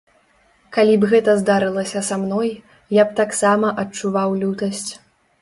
Калі б гэта здарылася са мной, я б таксама адчуваў лютасць.